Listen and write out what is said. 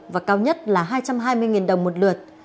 và cao nhất là hai trăm hai mươi đồng một lượt